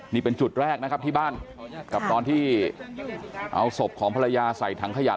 นี่เป็นจุดแรกนะครับที่บ้านกับตอนที่เอาศพของภรรยาใส่ถังขยะ